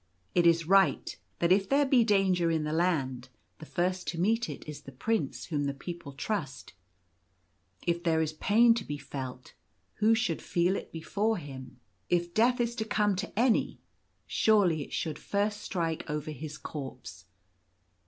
It is right that if there be danger in the Land, the first to meet it is the Prince whom the people trust. If there is pain to be felt, who should feel it before him ? The Duty of a Prince. 2 ? If death is to come to any, surely it should first strike over his corpse.